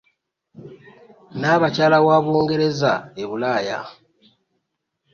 Nnabakyala wa Bungereza e Bulaaya .